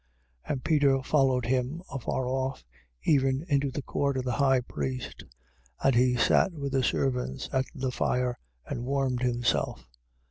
14:54. And Peter followed him afar off, even into the court of the high priest. And he sat with the servants at the fire and warmed himself.